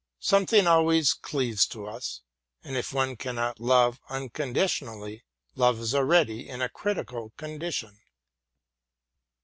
Something always cleaves to us; and, if one cannot love unconditionally, love is already in a critical condition.